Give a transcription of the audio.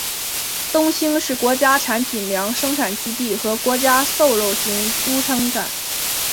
东兴是国家商品粮生产基地和国家瘦肉型猪生产基地。